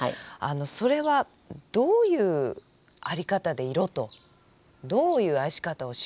それはどういう在り方でいろとどういう愛し方をしろということですか。